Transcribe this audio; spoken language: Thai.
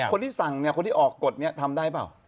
คนที่สั่งเนี่ยคนที่ออกกฎนี้ทำได้เปล่า